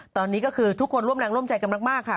ตอนนี้ก็คือทุกคนร่วมแรงร่วมใจกันมากค่ะ